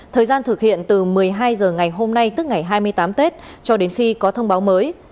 thời gian thực hiện từ một mươi hai h ngày hôm nay tức ngày hai mươi tám tết cho đến khi có thông báo mới